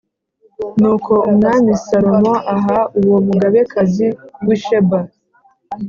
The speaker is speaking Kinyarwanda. Nuko Umwami Salomo aha uwo mugabekazi w’i Sheba